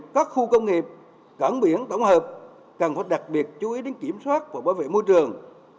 các khu công nghiệp cảng biển tổng hợp cần phải đặc biệt chú ý đến kiểm soát và bảo vệ môi trường